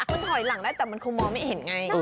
มันถอยหลังได้แต่มันคงมองไม่เห็นไง